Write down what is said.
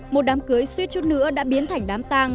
một đám cưới suýt chút nữa đã biến thành đám tàng